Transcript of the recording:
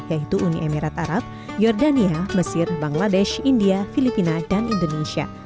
yaitu uni emirat arab jordania mesir bangladesh india filipina dan indonesia